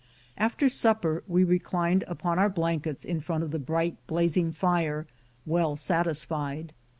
After supper we reclined upon our blankets in front of the bright, blazing fire, well satisfied.